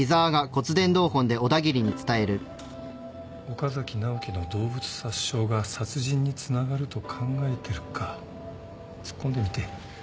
岡崎直樹の動物殺傷が殺人につながると考えてるか突っ込んでみて。